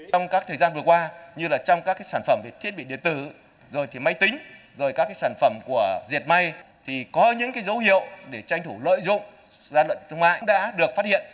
trong các thời gian vừa qua như là trong các cái sản phẩm về thiết bị điện tử rồi thì máy tính rồi các cái sản phẩm của diệt may thì có những cái dấu hiệu để tranh thủ lợi dụng ra lận thương mại đã được phát hiện